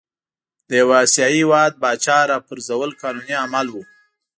د یوه آسیايي هیواد پاچا را پرزول قانوني عمل وو.